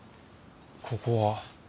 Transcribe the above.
ここは？